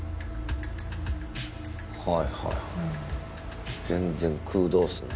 はいはい全然空洞っすね。